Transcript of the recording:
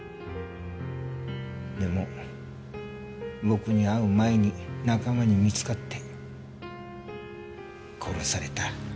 でも僕に会う前に仲間に見つかって殺された。